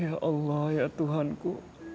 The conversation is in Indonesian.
ya allah ya tuhanku